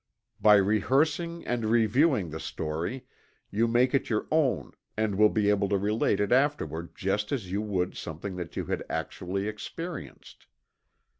By rehearsing and reviewing the story, you make it your own and will be able to relate it afterward just as you would something that you had actually experienced.